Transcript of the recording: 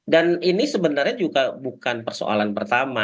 dan ini sebenarnya juga bukan persoalan pertama